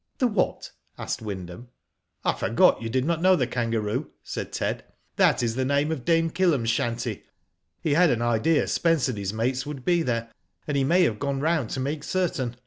" "The what?" asked Wyndham. " I forgot you did not know the ' Kangaroo/ " said Ted. .That is the name of Dame Kill'em's shanty. He had an idea Spence and his mates would be there, and he may have gone round to make certain.